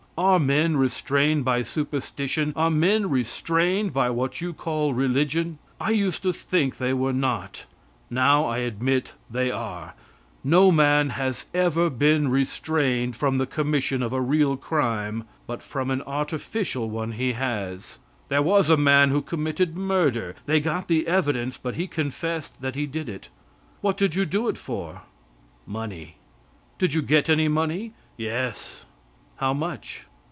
Are men restrained by superstition? Are men restrained by what you call religion? I used to think they were not; now I admit they are. No man has ever been restrained from the commission of a real crime, but from an artificial one he has. There was a man who committed murder. They got the evidence, but he confessed that he did it. "What did you do it for?" "Money." "Did you get any money?" "Yes." "How much?"